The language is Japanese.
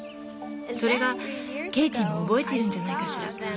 それがケイティも覚えているんじゃないかしら？